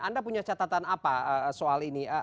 anda punya catatan apa soal ini